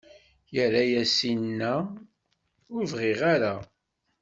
Irra-as, inna: Ur bɣiɣ ara.